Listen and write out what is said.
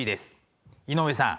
井上さん。